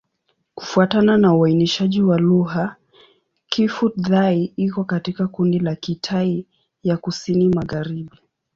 Kufuatana na uainishaji wa lugha, Kiphu-Thai iko katika kundi la Kitai ya Kusini-Magharibi.